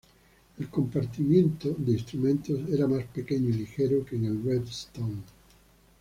El compartimiento de instrumentos era más pequeño y ligero que en el Redstone.